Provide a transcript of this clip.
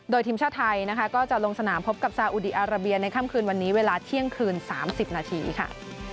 โดยทีมชาติไทยนะคะก็จะลงสนามพบกับซาอุดีอาราเบียในค่ำคืนวันนี้เวลาเที่ยงคืน๓๐นาทีค่ะ